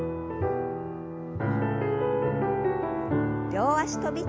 両脚跳び。